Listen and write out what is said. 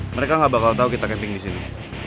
mereka gak bakal tahu kita camping disini